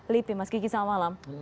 lipi mas kiki selamat malam